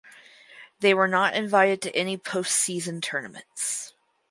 They were not invited to any post season tournaments.